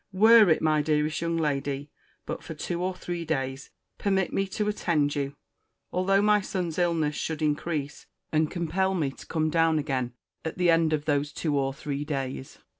Were it, my dearest young lady, but for two or three days, permit me to attend you, although my son's illness should increase, and compel me to come down again at the end of those two or three days.